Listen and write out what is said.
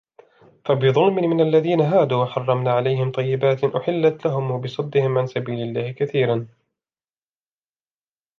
فبظلم من الذين هادوا حرمنا عليهم طيبات أحلت لهم وبصدهم عن سبيل الله كثيرا